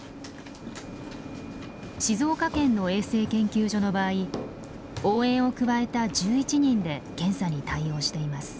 静岡県の衛生研究所の場合応援を加えた１１人で検査に対応しています。